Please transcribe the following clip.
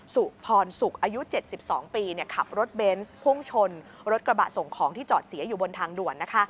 สุพรศุกร์อายุ๗๒ปีขับรถเบนส์พุ่งชนรถกระบะส่งของที่จอดเสียอยู่บนทางด่วนนะคะ